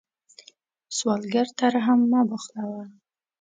سوالګر ته رحم مه بخلوه